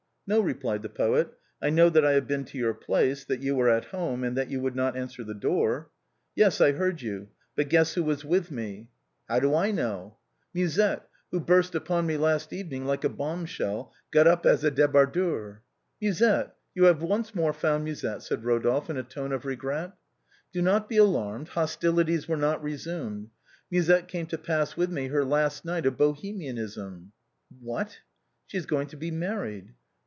" No, replied the poet. "I know that I have been to your place, that you were at home, and that you would not answer the door." " Yes, I heard you. But guess who was with me." 338 YOUTH IS FLEETING. 339 " How do I know ?"" Musette, who burst upon mc last evening like a bomb shell, got up as a débardeur." " Musette ! You have once more found Musette !" said Rodolphe in a tone of regret. " Do not be alarmed ; hostilities were not resumed. Musette came to pass with me her last night of Bohemian ism." "What?" " She is going to be married."